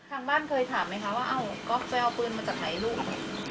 ทางบ้านเคยถามไหมคะว่าเอ้าก๊อฟไปเอาปืนมาจากไหนลูก